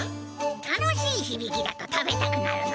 楽しいひびきだと食べたくなるのにゃ。